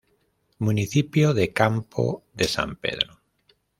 Municipio de Campo de San Pedro.